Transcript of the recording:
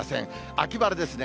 秋晴れですね。